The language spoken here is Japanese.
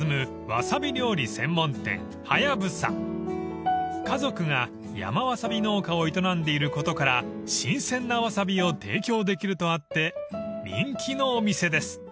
わさび農家を営んでいることから新鮮なわさびを提供できるとあって人気のお店です］